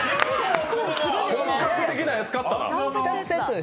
本格的なやつ買ったな。